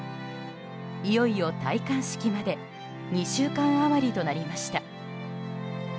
いよいよ戴冠式まで２週間余りとなりました。